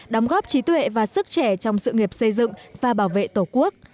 đóng góp trí tuệ và sức trẻ trong sự nghiệp xây dựng và bảo vệ tổ quốc